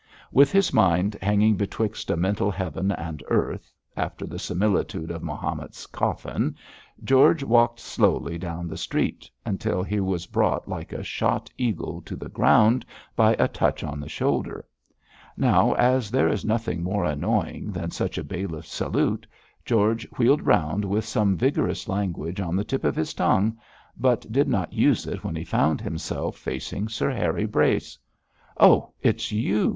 With his mind hanging betwixt a mental heaven and earth, after the similitude of Mahomet's coffin, George walked slowly down the street, until he was brought like a shot eagle to the ground by a touch on the shoulder. Now, as there is nothing more annoying than such a bailiff's salute, George wheeled round with some vigorous language on the tip of his tongue, but did not use it when he found himself facing Sir Harry Brace. 'Oh, it's you!'